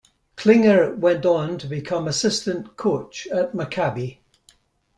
Klinger went on to become assistant coach at Maccabi.